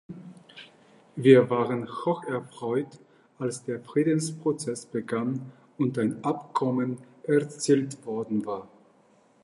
Wir waren hocherfreut, als der Friedensprozess begann und ein Abkommen erzielt worden war.